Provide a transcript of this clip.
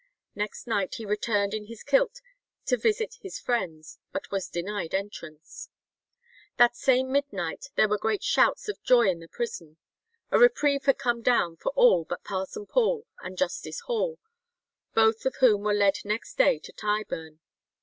Next night he returned in his kilt to visit his friends, but was denied entrance. That same midnight there were great shouts of joy in the prison: a reprieve had come down for all but Parson Paul and Justice Hall,[144:2] both of whom were led next day to Tyburn.